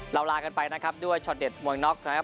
ลากันไปนะครับด้วยช็อตเด็ดมวยน็อกนะครับ